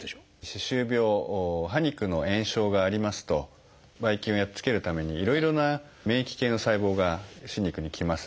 歯周病歯肉の炎症がありますとばい菌をやっつけるためにいろいろな免疫系の細胞が歯肉に来ます。